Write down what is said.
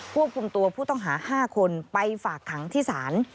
ควบคุมตัวผู้ต้องหา๕คนไปฝากขังที่ศาล